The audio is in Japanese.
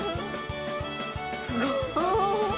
すごっ。